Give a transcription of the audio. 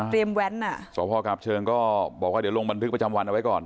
แว้นอ่ะสพกาบเชิงก็บอกว่าเดี๋ยวลงบันทึกประจำวันเอาไว้ก่อน